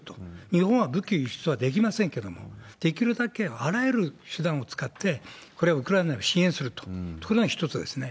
日本は武器輸出はできませんけれども、できるだけあらゆる手段を使って、これをウクライナに支援するというのが一つですね。